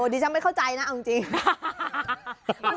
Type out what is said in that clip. ดิฉันไม่เข้าใจนะเอาจริง